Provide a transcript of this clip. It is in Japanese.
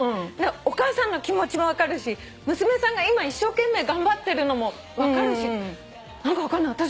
お母さんの気持ちも分かるし娘さんが今一生懸命頑張ってるのも分かるし何か分かんない私